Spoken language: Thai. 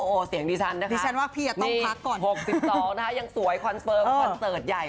โอ้เสียงดิฉันนะคะนี่๖๒นะคะยังสวยคอนเฟิร์มคอนเซิร์ตใหญ่